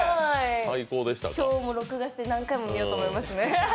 今日も録画して何回も見ようと思いますね。